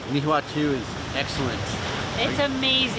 nihiwatu adalah kebaikan